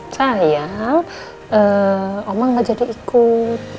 sayang om maik nggak jadi ikut